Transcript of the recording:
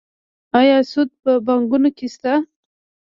آیا سود په بانکونو کې شته؟